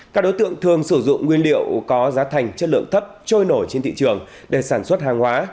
các đối tượng thường sử dụng nguyên liệu có giá thành chất lượng thấp trôi nổi trên thị trường để sản xuất hàng hóa